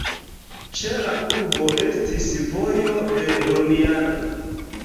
Ĉe la urbo estis vojo de romianoj.